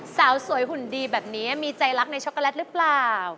สาวสวยหุ่นดีแบบนี้มีใจรักในช็อกโกแลตหรือเปล่า